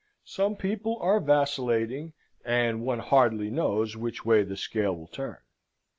Some people are vacillating, and one hardly knows which way the scale will turn.